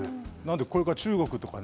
これから中国とかね。